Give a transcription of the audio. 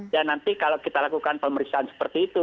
ya nanti kalau kita lakukan pemeriksaan seperti itu